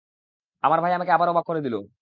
আমার ভাই আমাকে আবারও অবাক করে দিলো।